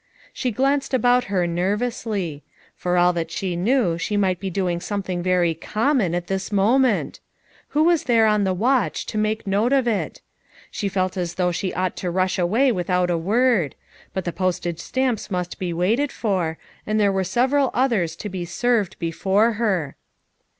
She glanced about her nervously. For all that she knew she might be doing something very "common" at this moment; who was there on the watch to make a note of it ? She felt as though she ought to rush away without a word; but the postage stamps must be waited for, and there were several others to be served before her.